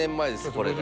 これが。